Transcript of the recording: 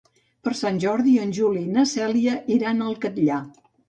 Per Sant Jordi en Juli i na Cèlia iran al Catllar.